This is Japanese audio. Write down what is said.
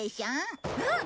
うん！